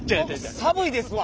寒いですわ。